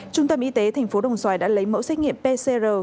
trung tâm y tế thành phố đồng xoài đã lấy mẫu xét nghiệm pcr